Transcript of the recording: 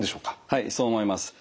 はいそう思います。